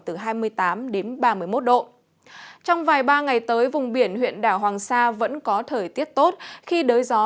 từ hai mươi tám ba mươi một độ trong vài ba ngày tới vùng biển huyện đảo hoàng sa vẫn có thời tiết tốt khi đới gió